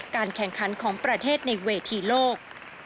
การแข่งขันของประเทศในเวทีโลก